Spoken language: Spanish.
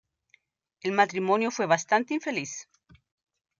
El matrimonio fue bastante infeliz.